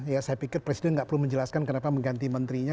ya saya pikir presiden nggak perlu menjelaskan kenapa mengganti menterinya